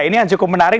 ini yang cukup menarik